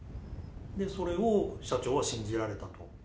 それを社長は信じられたと？